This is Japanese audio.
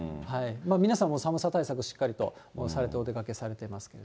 皆さんも寒さ対策、しっかりとされてお出かけされてますけど。